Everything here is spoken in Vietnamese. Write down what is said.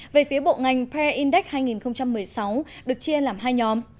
về phía bộ ngành par index hai nghìn một mươi sáu được chia làm hai nhóm